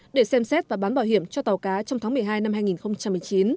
để xem xét và bán bảo hiểm cho tàu cá trong tháng một mươi hai năm hai nghìn một mươi chín